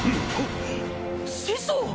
師匠！